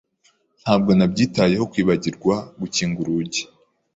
Ntabwo nabyitayeho kwibagirwa gukinga urugi.